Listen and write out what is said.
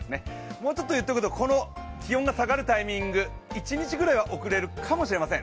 もうちょっと言っておくと、この気温が下がるタイミング、一日ぐらい遅れるかもしれません。